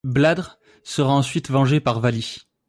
Baldr sera ensuite vengé par Vali.